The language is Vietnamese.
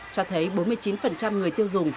cho thấy bốn mươi chín người tiêu dùng